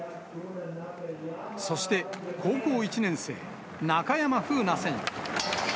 そして、高校１年生、中山楓奈選手。